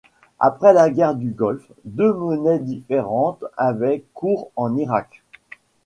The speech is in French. Après la guerre du Golfe, deux monnaies différentes avaient cours en Irak.